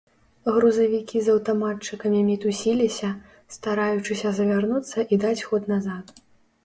Грузавікі з аўтаматчыкамі мітусіліся, стараючыся завярнуцца і даць ход назад.